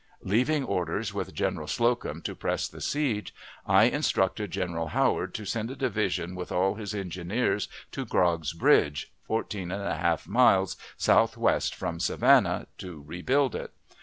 Leaving orders with General Slocum to press the siege, I instructed General Howard to send a division with all his engineers to Grog's Bridge, fourteen and a half miles southwest from Savannah, to rebuild it.